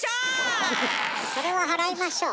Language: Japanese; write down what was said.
それは払いましょう。